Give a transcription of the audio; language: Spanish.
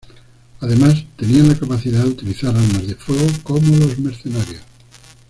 Además tenían la capacidad de utilizar armas de fuego como los mercenarios.